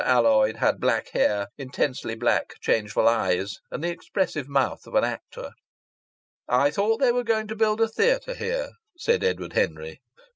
Alloyd had black hair, intensely black, changeful eyes, and the expressive mouth of an actor. "I thought they were going to build a theatre here," said Edward Henry.